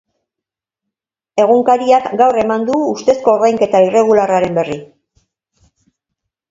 Egunkariak gaur eman du ustezko ordainketa irregularren berri.